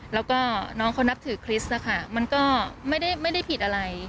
แล้วก็น้องเขานับถือคริสต์นะคะมันก็ไม่ได้ผิดอะไร